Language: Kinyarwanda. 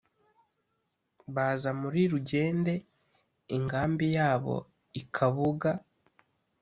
Baza muri Rugende, ingambi yabo i Kabuga :